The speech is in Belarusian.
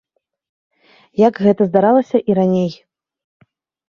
Як гэта здаралася і раней.